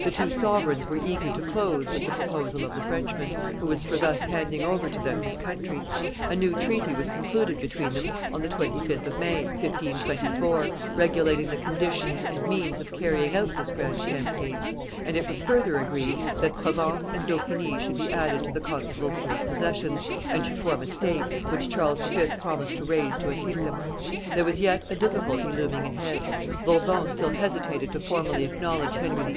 The two sovereigns were eager to close with the proposal of the Frenchman, who was for thus handing over to them his country; a new treaty was concluded between them on the 25th of May, 1524, regulating the conditions and means of carrying out this grand campaign; and it was further agreed that Provence and Dauphiny should be added to the constable's old possessions, and should form a state, which Charles V. promised to raise to a kingdom. There was yet a difficulty looming ahead. Bourbon still hesitated to formally acknowledge Henry VIII.